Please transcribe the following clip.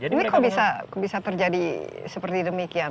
ini kok bisa terjadi seperti demikian